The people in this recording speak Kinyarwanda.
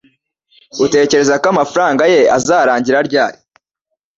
Utekereza ko amafaranga ye azarangira ryari?